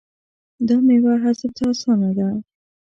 دا میوه هضم ته اسانه ده.